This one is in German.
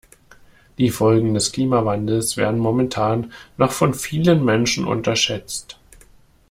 Die Folgen des Klimawandels werden momentan noch von vielen Menschen unterschätzt.